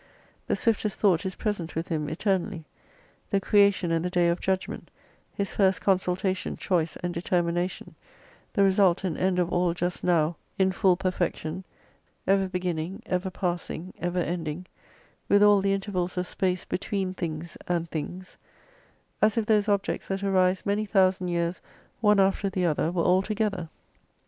The swiftest thought is present with Him eternally : the creation and the day of judgment, His first consultation, choice and deter mination, the result and end of all just now in full perfection, ever beginning, ever passing, ever ending : with all the intervals of space between things and things : As if those objects that arise many thousand years one after the other were all together.